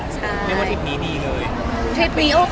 ได้ว่าทริปนี้ดีเลย